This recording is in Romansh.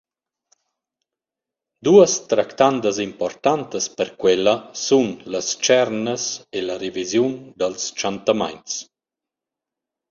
Duos tractandas importantas per quella sun las tschernas e la revisiun dals tschantamaints.